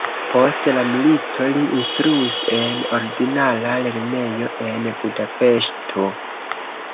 Post la milito li instruis en ordinara lernejo en Budapeŝto.